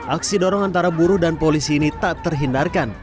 aksi dorong antara buruh dan polisi ini tak terhindarkan